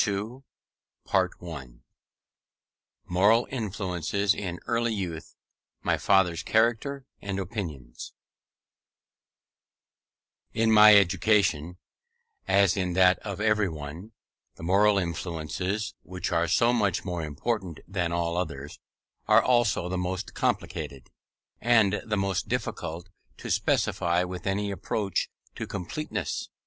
CHAPTER II MORAL INFLUENCES IN EARLY YOUTH. MY FATHER'S CHARACTER AND OPINIONS In my education, as in that of everyone, the moral influences, which are so much more important than all others, are also the most complicated, and the most difficult to specify with any approach to completeness.